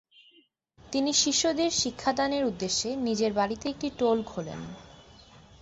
তিনি শিষ্যদের শিক্ষাদানের উদ্দেশ্যে নিজের বাড়িতে একটি টোল খোলেন।